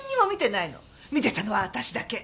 見てたのは私だけ。